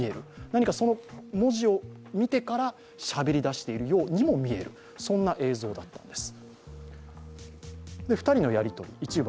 何か文字を見てからしゃべりだしているようにも見える、そんな映像だったんです。